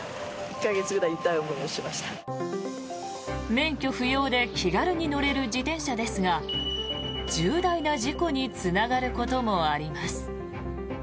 免許不要で気軽に乗れる自転車ですが重大な事故につながることもあります。